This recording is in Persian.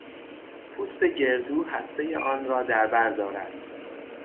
پوست گردو هستهی آنرا در بر دارد.